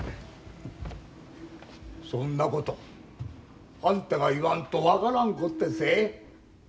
そんなことあんたが言わんと分からんことでっせ。